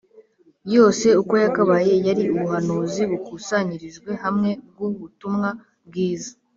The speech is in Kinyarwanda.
yose uko yakabaye yari ubuhanuzi bukusanyirijwe hamwe bw’ubutumwa bwiza